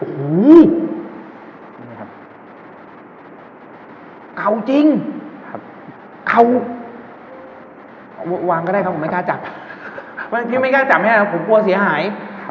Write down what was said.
เก่าจริงเก่าวางก็ได้ครับไม่กล้าจับไม่กล้าจับไม่ได้ผมกลัวเสียหาย